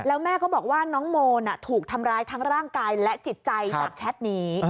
แล้วแม่ก็บอกว่าน้องโมนถูกทำร้ายทั้งร่างกายและจิตใจจากแชทนี้